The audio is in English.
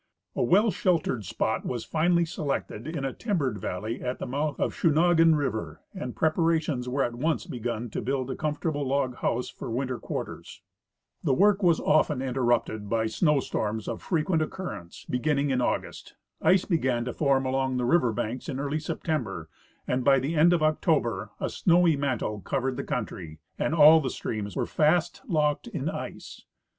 A well sheltered spot was finally selected in a timbered valley at the mouth of Suna ghun river, and preparations were at once begun to build a com fortable log house for winter quarters. The Avork Avas often The dark Arctic Winter. 191 interrupted by snow storms of frequent occurrence, beginning in August. Ice began to form along the river banks in early Sep tember, and by the end of October a snowy mantle covered the country, and all the streams were fast locked in ice.